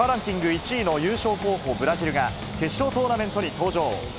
１位の優勝候補、ブラジルが、決勝トーナメントに登場。